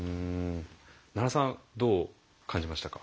奈良さんどう感じましたか？